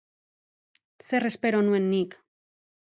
Zer espero nuen nik.